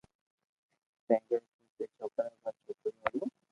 تنهنڪري ڪل ٽي ڇوڪرا ۽ ٻه ڇوڪريون هيون.